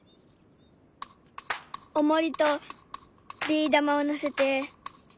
おもりとビー玉をのせてこうすると。